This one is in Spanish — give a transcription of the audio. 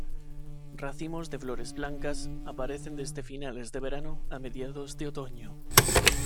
Racimos de flores blancas aparecen desde finales de verano a mediados de otoño.